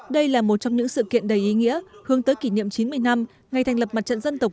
đây là một trong những sự kiện đầy ý nghĩa hướng tới kỷ niệm chín mươi năm ngày thành lập mặt trận dân tộc